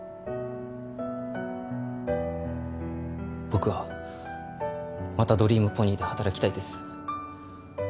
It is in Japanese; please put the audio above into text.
僕はまたドリームポニーで働きたいです